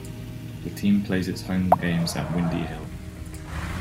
The team plays its home games at Windy Hill.